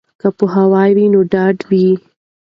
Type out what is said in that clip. که پوهه وي نو ډاډ وي.